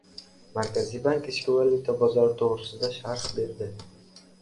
Markaziy bank ichki valyuta bozori to‘g‘risida sharh berdi